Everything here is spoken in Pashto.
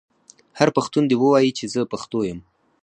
هر پښتون دې ووايي چې زه پښتو یم.